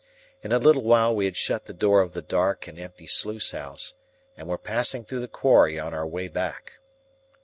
In a little while we had shut the door of the dark and empty sluice house, and were passing through the quarry on our way back.